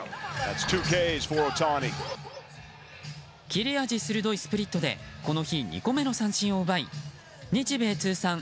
切れ味鋭いスプリットでこの日２個目の三振を奪い日米通算１０００